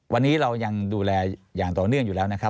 วันนี้เรายังดูแลอย่างต่อเนื่องอยู่แล้วนะครับ